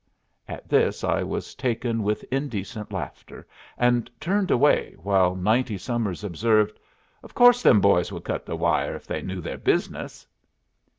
At this I was taken with indecent laughter, and turned away, while ninety summers observed, "Of course them boys would cut the wire if they knew their business."